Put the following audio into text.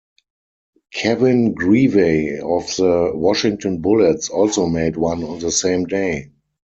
Kevin Grevey of the Washington Bullets also made one on the same day.